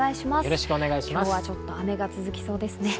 今日はちょっと雨が続きそうですね。